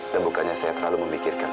dan bukannya saya terlalu memikirkan